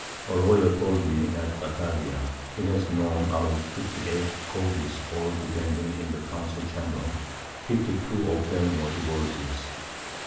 A Lawyer told me at Batavia, he has known out of 58 Causes, all depending in the Council Chamber, 52 of them were Divorces.